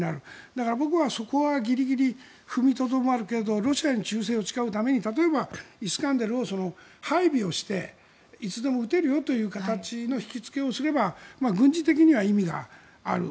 だから僕はそこはギリギリ踏みとどまるけどロシアに忠誠を誓うために例えばイスカンデルを配備していつでも撃てるよという形の引きつけをすれば軍事的には意味がある。